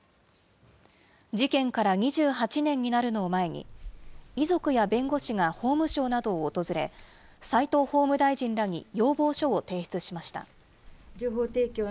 事件から２８年になるのを前に、遺族や弁護士が法務省などを訪れ、齋藤法務大臣らに要望書を提出しました。